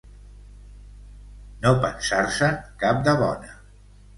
No pensar-se'n cap de bona.